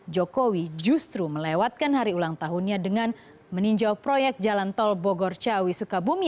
jokowi justru melewatkan hari ulang tahunnya dengan meninjau proyek jalan tol bogor ciawi sukabumi